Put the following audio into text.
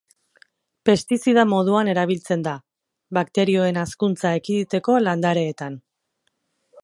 Pestizida moduan erabiltzen da, bakterioen hazkuntza ekiditeko landareetan.